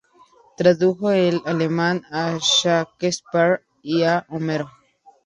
Tradujo al alemán a Shakespeare y a Homero.